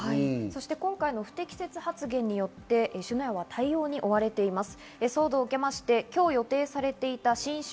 今回の不適切発言によって、吉野家は対応に追われています。